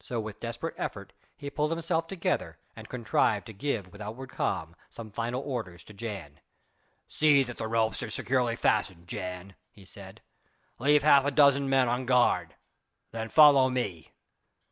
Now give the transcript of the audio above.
So with desperate effort he pulled himself together and contrived to give with outward calm some final orders to Jan. "See that the ropes are securely fastened, Jan," he said, "leave half a dozen men on guard, then follow me."